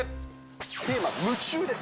テーマ、夢中です。